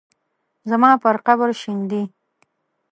زما پر قبر شیندي